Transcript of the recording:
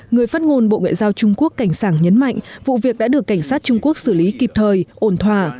người phát ngôn bộ ngoại giao trung quốc cảnh sảng nhấn mạnh vụ việc đã được cảnh sát trung quốc xử lý kịp thời ổn thỏa